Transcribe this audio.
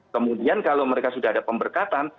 kemudian kalau mereka sudah ada pemberkatan